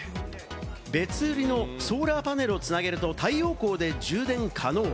別売りのソーラーパネルをつなげると太陽光で充電可能。